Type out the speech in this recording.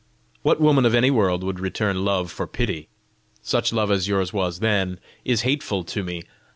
What woman of any world would return love for pity? Such love as yours was then, is hateful to me.